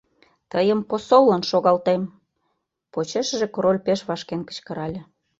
— Тыйым посоллан шогалтем! — почешыже король пеш вашкен кычкырале.